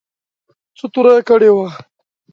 څه توره کړې وه.